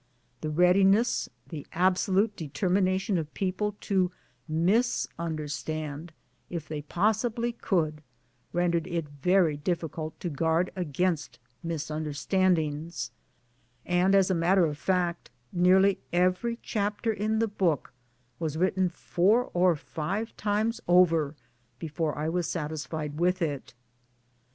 .The readiness, the absolute de termination of people to misunderstand if they possibly could, rendered it very difficult to guard against misunderstandings, and as a matter of fact nearly every chapter in the book was written four or five times over before I was satisfied with it.